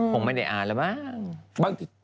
คงไม่ได้อ่านแล้วมั้ง